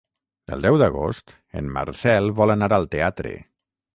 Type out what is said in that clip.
El deu d'agost en Marcel vol anar al teatre.